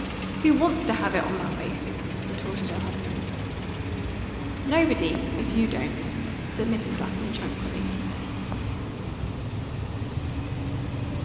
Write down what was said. "Who wants to have it on that basis?" retorted her husband. "Nobody, if you don't," said Mrs. Lapham tranquilly.